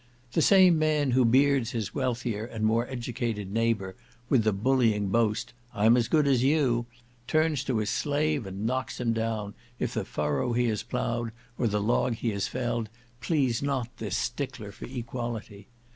The same man who beards his wealthier and more educated neighbour with the bullying boast, "I'm as good as you," turns to his slave, and knocks him down, if the furrow he has ploughed, or the log he has felled, please not this stickler for equality.